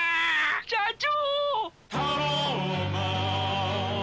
社長！